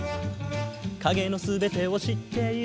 「影の全てを知っている」